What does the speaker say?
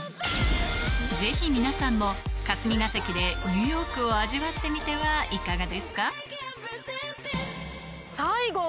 ぜひ皆さんも霞が関でニューヨークを味わってみてはいかがですか？